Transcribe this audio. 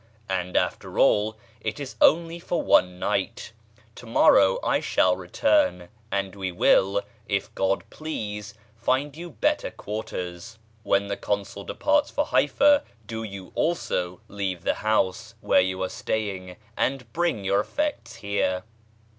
And after all it is only for one night: tomorrow I shall return, and we will, if God please, find you better quarters. When the consul departs for Haifá do you also leave the house where you are staying and bring your effects here."